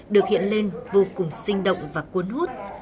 được hiện lên vô cùng sinh động và cuốn hút